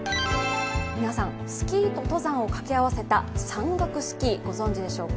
皆さん、スキーと登山を掛け合わせた山岳スキー、ご存じでしょうか？